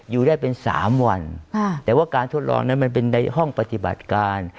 อยู่ได้เป็น๓วันแต่ว่าการทดลองนั้นมันเป็นในห้องปฏิบัติการ